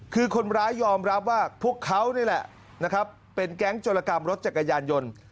คือคนร้ายยอมรับว่าพวกเขานี่แหละนะครับเป็นแก๊งโจรกรรมรถจักรยานยนต์